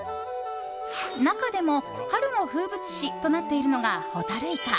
中でも春の風物詩となっているのがホタルイカ。